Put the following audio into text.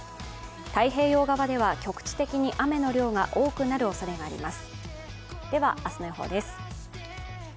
太平洋側では局地的に雨の量が多くなるおそれがあります。